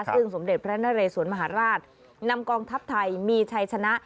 ซึ่งสมเด็จพระนเรสวนมหาราชนำกองทัพไทยมีชัยชนะ